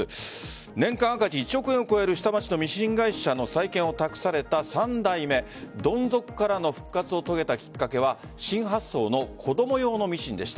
年間赤字１億円を超える下町のミシン会社の再建を託された３代目どん底からの復活を遂げたきっかけは新発想の子供用のミシンでした。